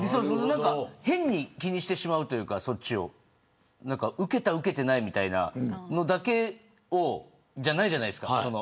変に、そっちを気にしてしまうというかウケた、ウケてないみたいなのだけじゃないじゃないですか。